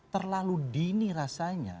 terlalu dini rasanya